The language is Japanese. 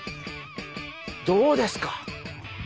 どうですか？